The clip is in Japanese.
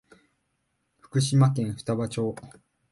福島県双葉町